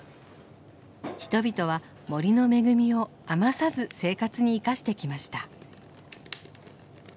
人々は森の恵みを余さず生活に生かしてきました。